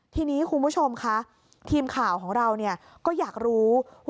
ทีนี้คุณผู้ชมคะทีมข่าวของเราก็อยากรู้ว่า